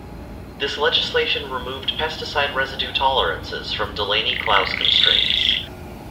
This legislation removed pesticide residue tolerances from Delaney Clause constraints.